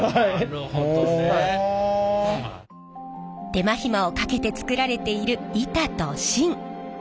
手間暇をかけて作られている板と芯。